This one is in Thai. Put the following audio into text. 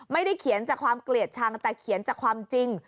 ไม่ได้เขียนจากความเกลียดชังแต่เขียนจากความจริง